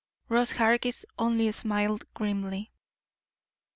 Ross Hargis only smiled grimly.